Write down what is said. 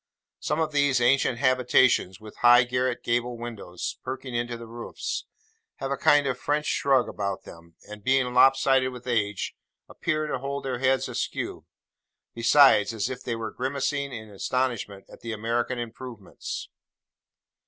Some of these ancient habitations, with high garret gable windows perking into the roofs, have a kind of French shrug about them; and being lop sided with age, appear to hold their heads askew, besides, as if they were grimacing in astonishment at the American Improvements.